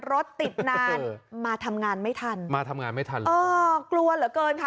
รถติดนานมาทำงานไม่ทันมาทำงานไม่ทันเออกลัวเหลือเกินค่ะ